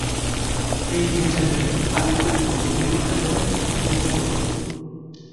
এই ভিটামিন পানিতে দ্রবণীয় এবং ভঙ্গুর।